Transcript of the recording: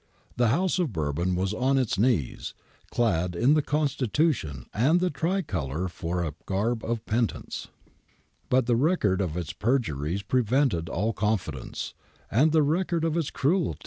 The House of Bourbon was on its knees, clad in the Constitution and the Tricolour for a garb of penitence. But the record of its perjuries pre vented all confidence, and the record of its cruelties all ^Liborio Romano, 3, 8 21, 26.